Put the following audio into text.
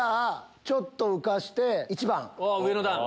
ちょっと浮かして１番。